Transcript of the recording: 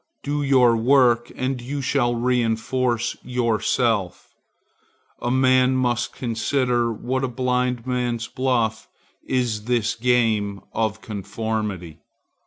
Do your work, and you shall reinforce yourself. A man must consider what a blindman's buff is this game of conformity.